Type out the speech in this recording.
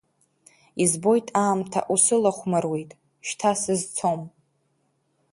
Избоит аамҭа усылахәмаруеит, шьҭа сызцом…